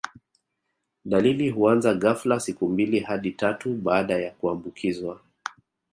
Dalili huanza ghafla siku mbili hadi tatu baada ya kuambukizwa